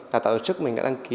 là tạo chức mình đã đăng ký